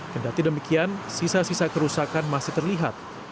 kendati demikian sisa sisa kerusakan masih terlihat